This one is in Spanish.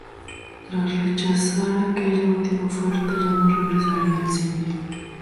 Tras rechazar aquella última oferta, ya no regresaría al cine.